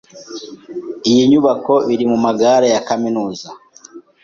Iyi nyubako iri mumagare ya kaminuza.